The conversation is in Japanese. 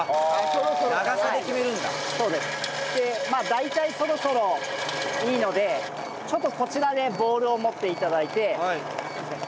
大体そろそろいいのでちょっとこちらでボウルを持って頂いて。